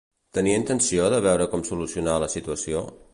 Tenia intenció de veure com solucionar la situació?